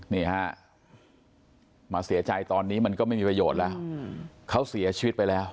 นี่ฮะมาเสียใจตอนนี้มันก็ไม่มีประโยชน์แล้วเขาเสียชีวิตไปแล้ว